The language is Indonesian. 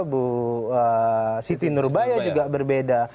bu siti nurbaya juga berbeda